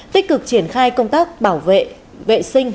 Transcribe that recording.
tích cực triển khai công tác bảo vệ vệ sinh